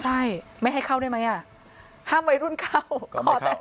อ๋อใช่ไม่ให้เข้าได้ไหมอ่ะห้ามไว้รุ่นเข้า